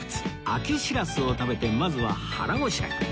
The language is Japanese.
秋シラスを食べてまずは腹ごしらえ